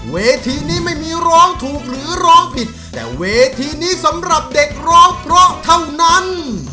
เวทีนี้ไม่มีร้องถูกหรือร้องผิดแต่เวทีนี้สำหรับเด็กร้องเพราะเท่านั้น